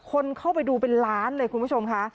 คนเข้าไปดูเป็นล้านเลยคุณผู้ชมค่ะ